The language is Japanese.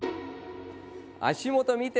足元見て！